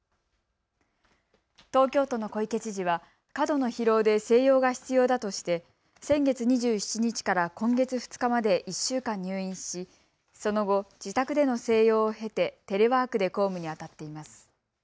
東京都の小池知事は過度の疲労で静養が必要だとして先月２７日から今月２日まで１週間入院しその後、自宅での静養を経てテレワークで公務にあたっています。